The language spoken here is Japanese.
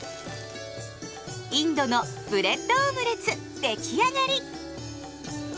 インドのブレッドオムレツ出来上がり。